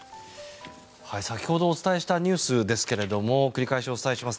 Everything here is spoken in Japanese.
先ほどお伝えしたニュースですが繰り返しお伝えします。